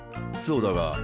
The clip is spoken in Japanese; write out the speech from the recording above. そうだが。